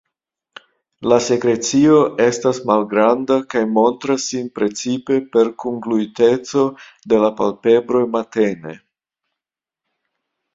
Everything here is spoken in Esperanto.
La sekrecio estas malgranda kaj montras sin precipe per kungluiteco de la palpebroj matene.